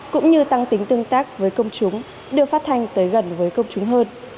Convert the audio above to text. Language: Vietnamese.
cũng như tăng tính tương tác với công chúng đưa phát thanh tới gần với công chúng hơn